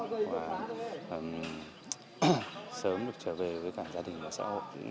mình cũng muốn sống sớm được trở về với cả gia đình và xã hội